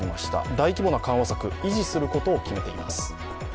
大規模な緩和策、維持することを決めています。